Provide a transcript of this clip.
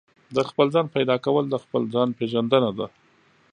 د خپل ځان پيدا کول د خپل ځان پېژندنه ده.